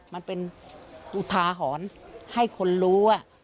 มันเป็นอุทาหรณ์ให้คนรู้ว่า